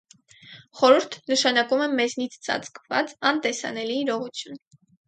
«Խորհուրդ» նշանակում է մեզնից ծածկված, անտեսանելի իրողություն։